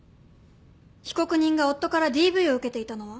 被告人が夫からＤＶを受けていたのは？